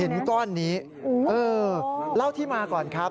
ก้อนนี้เออเล่าที่มาก่อนครับ